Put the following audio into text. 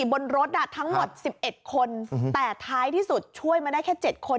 บนรถอ่ะทั้งหมดสิบเอ็ดคนอืมแต่ท้ายที่สุดช่วยมาได้แค่เจ็ดคน